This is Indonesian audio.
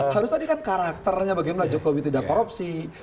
harus tadi kan karakternya bagaimana jokowi tidak korupsi